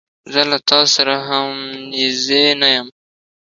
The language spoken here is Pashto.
زه له تا سره همنیزی نه یم.